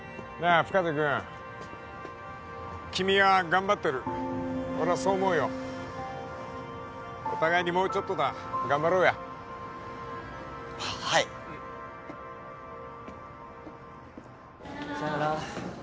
深瀬君君は頑張ってる俺はそう思うよお互いにもうちょっとだ頑張ろうやはいうんさようならさようなら